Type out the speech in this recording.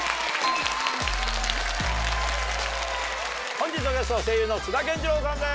本日のゲスト声優の津田健次郎さんです！